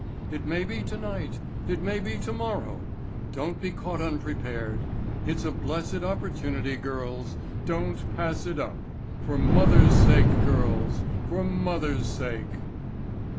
It may be tonight. It may be tomorrow. Don't be caught unprepared. It's a blessed opportunity, girls. Don't pass it up. For mother's sake, girls, for mother's sake."